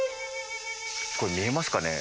これ見えますかね？